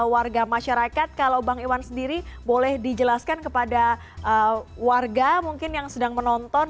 warga masyarakat kalau bang iwan sendiri boleh dijelaskan kepada warga mungkin yang sedang menonton